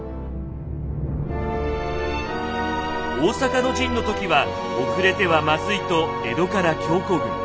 大坂の陣の時は遅れてはまずいと江戸から強行軍。